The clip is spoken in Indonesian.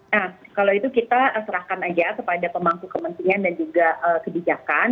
nah kalau itu kita serahkan aja kepada pemangku kementerian dan juga kebijakan